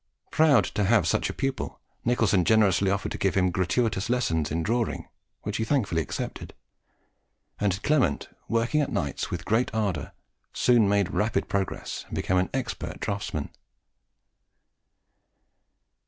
Proud to have such a pupil, Nicholson generously offered to give him gratuitous lessons in drawing, which were thankfully accepted; and Clement, working at nights with great ardour, soon made rapid progress, and became an expert draughtsman.